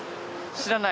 知らない？